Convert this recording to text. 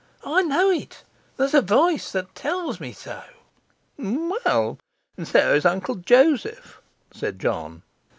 I know it, there's a voice that tells me so.' 'Well, and so is Uncle Joseph,' said John.